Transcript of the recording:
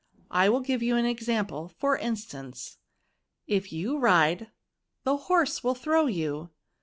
I will give you an example ; for instance, * If you ride, the horse will throw you.'